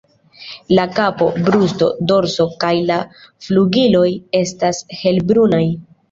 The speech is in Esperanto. La kapo, brusto, dorso kaj la flugiloj estas helbrunaj.